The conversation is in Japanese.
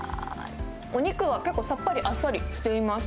お肉は結構、さっぱり、あっさりしています。